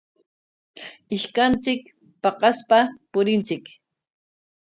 Ishkanchik paqaspa purinchik.